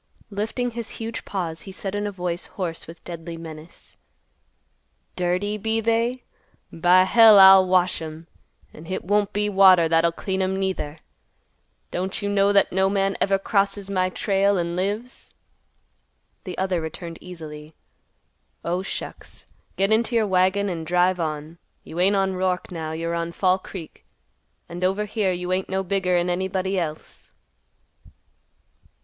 Lifting his huge paws, he said in a voice hoarse with deadly menace, "Dirty, be they? By hell, I'll wash 'em. An' hit won't be water that'll clean 'em, neither. Don't you know that no man ever crosses my trail an' lives?" The other returned easily, "Oh, shucks! Get into your wagon and drive on. You ain't on Roark now. You're on Fall Creek, and over here you ain't no bigger'n anybody else."